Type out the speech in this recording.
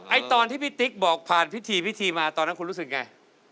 ตอนที่พี่ติ๊กบอกผ่านพิธีพิธีมาตอนนั้นคุณรู้สึกไง